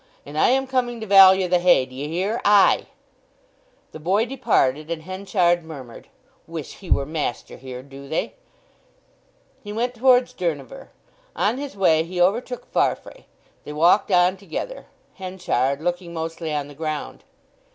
And I am coming to value the hay, d'ye hear?—I." The boy departed, and Henchard murmured, "Wish he were master here, do they?" He went towards Durnover. On his way he overtook Farfrae. They walked on together, Henchard looking mostly on the ground.